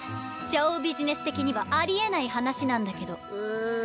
ショウビジネス的にはありえない話なんだけど。